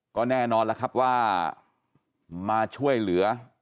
ก็แน่นอนแล้วครับว่ามาช่วยเหลือ